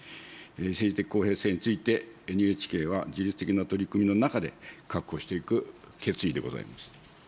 政治的公平性について、ＮＨＫは自律的な取り組みの中で、確保していく決意でございます。